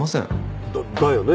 だだよね？